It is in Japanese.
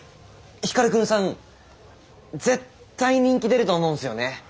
光くんさん絶対人気出ると思うんすよね。